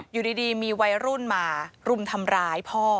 อยู่ดีมีวัยรุ่นมารุมทำร้ายพ่อ